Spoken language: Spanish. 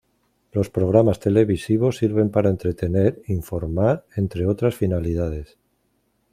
Los programas televisivos sirven para entretener, informar, entre otras finalidades.